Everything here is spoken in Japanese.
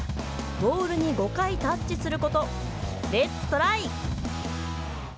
ボールに５回タッチすることレッツトライ！